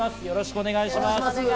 よろしくお願いします。